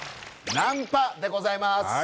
「ナンパ」でございます